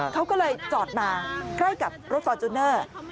เขาก็เลยจอดมาใกล้กับรถฟอร์จูเนอร์